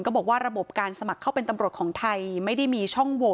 บอกว่าระบบการสมัครเข้าเป็นตำรวจของไทยไม่ได้มีช่องโว